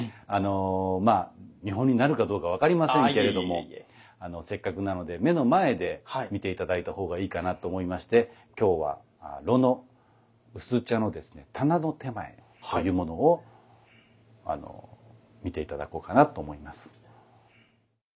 まあ見本になるかどうか分かりませんけれどもせっかくなので目の前で見て頂いた方がいいかなと思いまして今日は炉の薄茶のですね棚の点前というものを見て頂こうかなと思います。